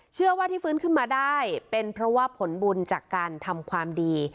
เชื่อว่าที่ฟื้นขึ้นมาได้เป็นเพราะว่าผลบุญจากการทำความดี